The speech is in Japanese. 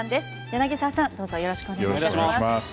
柳澤さん、どうぞよろしくお願いいたします。